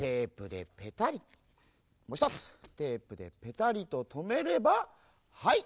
もうひとつテープでペタリととめればはい！